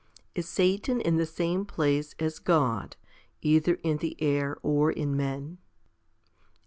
Is Satan in the same place as God, either in the air, or in men